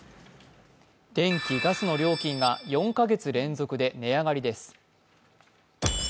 電気、ガスの料金が４カ月連続で値上がりです。